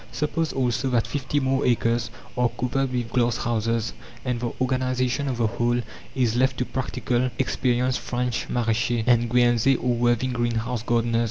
Suppose also that fifty more acres are covered with glass houses, and the organization of the whole is left to practical experienced French maraîchers, and Guernsey or Worthing greenhouse gardeners.